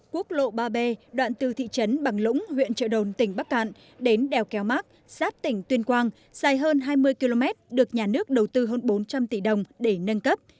quốc lộ ba b đoạn từ thị trấn bằng lũng huyện trợ đồn tỉnh bắc cạn đến đèo kéo mát giáp tỉnh tuyên quang dài hơn hai mươi km được nhà nước đầu tư hơn bốn trăm linh tỷ đồng để nâng cấp